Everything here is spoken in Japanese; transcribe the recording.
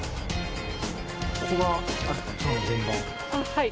はい。